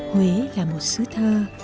huế là một sứ thơ